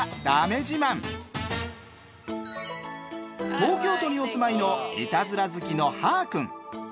東京都にお住まいのいたずら好きのはーくん。